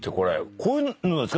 こういうのですか？